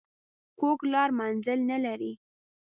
کوږه لار منزل نه لري